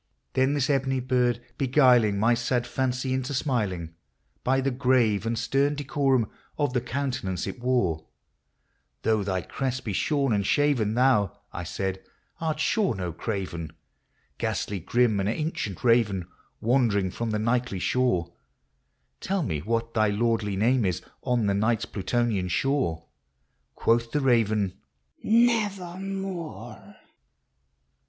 Then this ebony bird beguiling my sad fancy into smiling, By the grave and stern decorum of the countenance it wore, " Though thy crest be shorn and shaven, thou," I said, " art sure no craven ; Ghastly, grim, and ancient raven, wandering from the nightly shore, Tell me what thy lordly name is on the night's Plutonian shore ?" Quoth the raven, " Nevermore